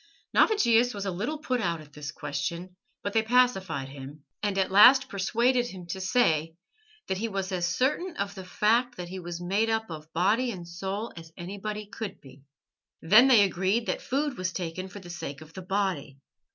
Navigius was a little put out at this question, but they pacified him, and at last persuaded him to say that he was as certain of the fact that he was made up of body and soul as anybody could be. They then agreed that food was taken for the sake of the body.